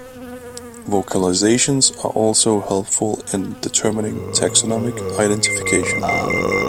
Vocalizations are also helpful in determining taxonomic identification.